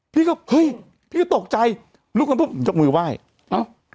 พี่ก็เฮ้ยพี่ก็ตกใจลุกกันปุ๊บยกมือไหว้อ้าว